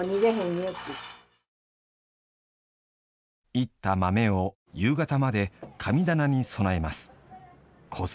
煎った豆を夕方まで神棚に供えます。